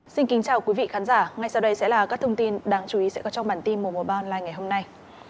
xin kính chào quý vị khán giả ngay sau đây sẽ là các thông tin đáng chú ý sẽ có trong bản tin mùa mùa ba online ngày hôm nay